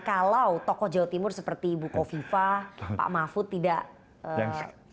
kalau tokoh jawa timur seperti buko viva pak mahfud tidak ee